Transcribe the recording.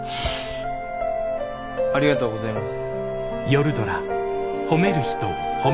ありがとうございます。